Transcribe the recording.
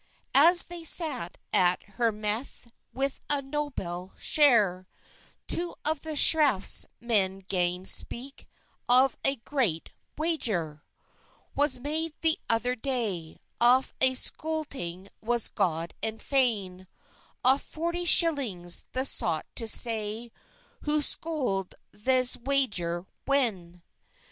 As they sat at her methe, With a nobell cher, Two of the screffes men gan speke Off a gret wagèr, Was made the thother daye, Off a schotyng was god and feyne, Off forty shillings, the soyt to saye, Who scholde thes wager wen.